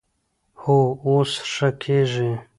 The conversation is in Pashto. هو، اوس ښه کیږي